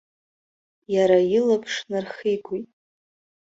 Иара илаԥш нархигоит.